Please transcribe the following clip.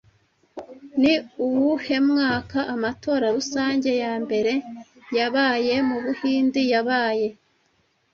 Ni uwuhe mwaka amatora rusange ya mbere yabaye mu Buhinde yabaye